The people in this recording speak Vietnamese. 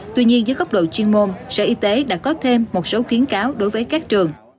tuy nhiên dưới góc độ chuyên môn sở y tế đã có thêm một số khuyến cáo đối với các trường